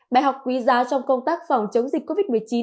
bài học quý giá trong công tác phòng chống dịch covid một mươi chín